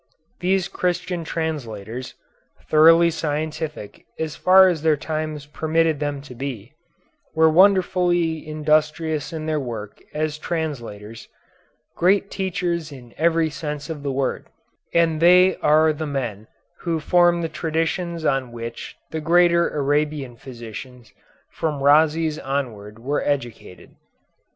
These Christian translators, thoroughly scientific as far as their times permitted them to be, were wonderfully industrious in their work as translators, great teachers in every sense of the word, and they are the men who formed the traditions on which the greater Arabian physicians from Rhazes onward were educated.